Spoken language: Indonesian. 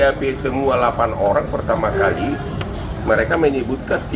retro tapi di punished semua delapan orang pertama kali mereka mengikut kezi